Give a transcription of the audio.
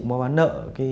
mua bán nợ